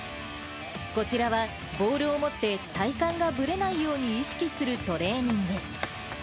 こちらは、ボールを持って体幹がぶれないように意識するトレーニング。